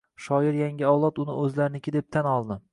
Shoir yangi avlod uni o‘zlariniki deb tan oldi.